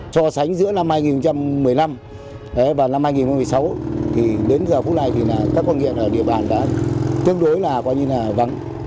so sánh giữa năm hai nghìn một mươi năm và năm hai nghìn một mươi sáu đến giờ phút này các con nghiện ở địa bàn đã tương đối là vắng